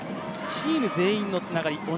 チーム全員のつながり